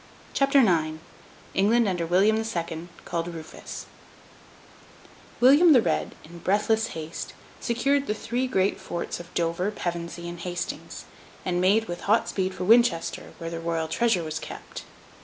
CHAPTER IX ENGLAND UNDER WILLIAM THE SECOND, CALLED RUFUS William the Red, in breathless haste, secured the three great forts of Dover, Pevensey, and Hastings, and made with hot speed for Winchester, where the Royal treasure was kept.